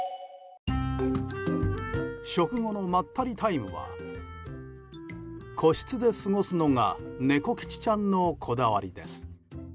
食後のまったりタイムは個室で過ごすのがネコ吉ちゃんのこだわりです。